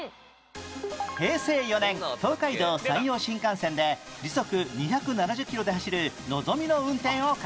平成４年東海道・山陽新幹線で時速２７０キロで走るのぞみの運転を開始